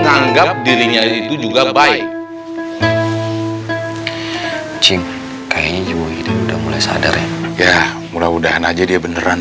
anggap dirinya itu juga baik cinta kayaknya juga sudah mulai sadar ya udah udahan aja dia beneran